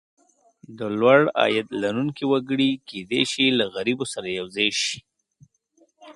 د لوړ عاید لرونکي وګړي کېدای شي له غریبو سره یو ځای شي.